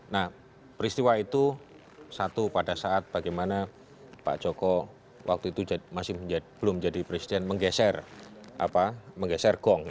nah peristiwa itu satu pada saat bagaimana pak joko waktu itu masih belum jadi presiden menggeser gong